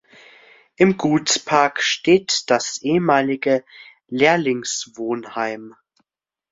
Im Gutspark steht das ehemalige Lehrlingswohnheim.